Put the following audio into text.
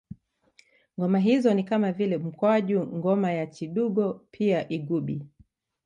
Ngoma hizo ni kama vile mkwaju ngoma ya chidugo pia igubi